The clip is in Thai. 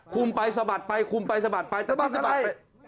คุมไปสะบัดไปคุมไปสะบัดไปสะบัดไป